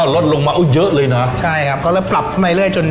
รถลงมาเยอะเลยน่ะใช่ครับก็แล้วปรับข้างในเรื่อยจน